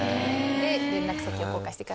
で「連絡先を交換してください」。